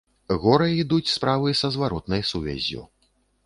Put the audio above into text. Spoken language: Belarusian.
Горай ідуць справы са зваротнай сувяззю.